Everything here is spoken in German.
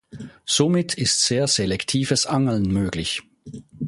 Somit ist sehr selektives Angeln möglich.